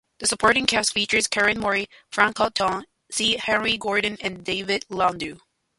The supporting cast features Karen Morley, Franchot Tone, C. Henry Gordon, and David Landau.